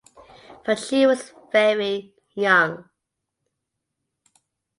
But she was very young.